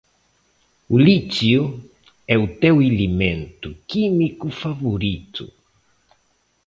O lítio é o teu elemento químico favorito